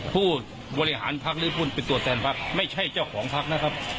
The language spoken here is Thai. ผู้บริหารพักหรือผู้เป็นตัวแทนพักไม่ใช่เจ้าของพักนะครับ